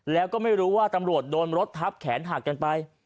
แล้วก็ไม่รู้ว่าตำรวจโดนรถทับแขนหักกันไป